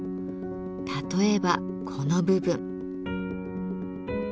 例えばこの部分。